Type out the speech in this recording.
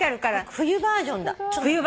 冬バージョン。